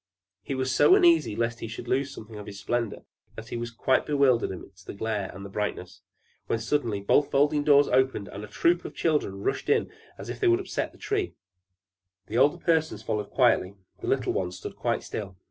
He was so uneasy lest he should lose something of his splendor, that he was quite bewildered amidst the glare and brightness; when suddenly both folding doors opened and a troop of children rushed in as if they would upset the Tree. The older persons followed quietly; the little ones stood quite still.